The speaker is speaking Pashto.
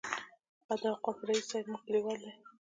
د اوقافو رئیس صاحب مو کلیوال دی.